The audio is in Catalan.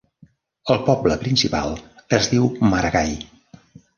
El poble principal es diu Maragai.